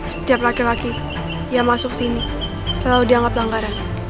setiap laki laki yang masuk sini selalu dianggap langgaran